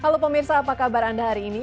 halo pemirsa apa kabar anda hari ini